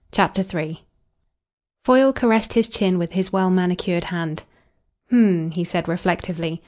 CHAPTER III Foyle caressed his chin with his well manicured hand. "H'm!" he said reflectively.